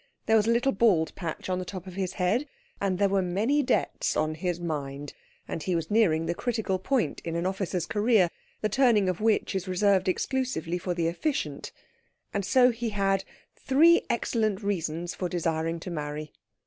There was a little bald patch on the top of his head, and there were many debts on his mind, and he was nearing the critical point in an officer's career, the turning of which is reserved exclusively for the efficient; and so he had three excellent reasons for desiring to marry.